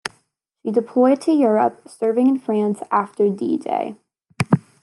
She deployed to Europe, serving in France after D-Day.